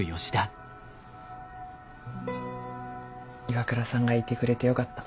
岩倉さんがいてくれてよかった。